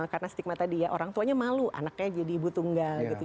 karena stigma tadi ya orang tuanya malu anaknya jadi ibu tunggal gitu